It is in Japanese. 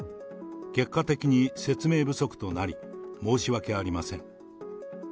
結果的に説明不足となり、申し訳ありません。